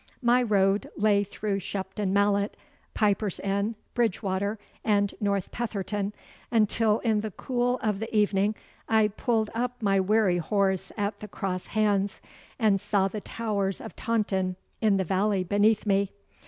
My road lay through Shepton Mallet, Piper's Inn, Bridgewater, and North Petherton, until in the cool of the evening I pulled up my weary horse at the Cross Hands, and saw the towers of Taunton in the valley beneath me.